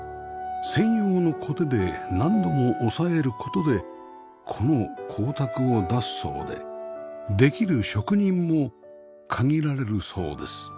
専用のこてで何度も押さえる事でこの光沢を出すそうでできる職人も限られるそうです